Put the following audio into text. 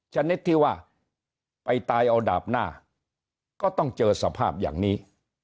ชนิดที่ว่าไปตายเอาดาบหน้าก็ต้องเจอสภาพอย่างนี้